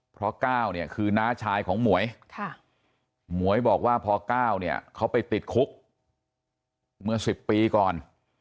เพราะก้าวเนี่ยคือน้าชายของหมวยหมวยบอกว่าพอก้าวเนี่ยเขาไปติดคุกเมื่อ๑๐ปีก่อน